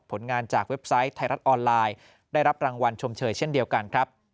ผลงานจากเว็บไซต์ไทยรัฐออนไลน์ได้รับรางวัลชมเชยเช่นเดียวกันครับ